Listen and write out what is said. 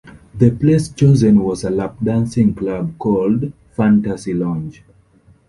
The place chosen was a lapdancing club called "Fantasy Lounge".